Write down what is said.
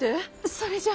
それじゃ。